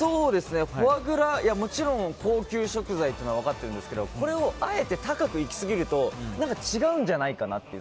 フォアグラがもちろん高級食材というのは分かってるんですがこれを、あえて高くいきすぎると違うんじゃないかなっていう。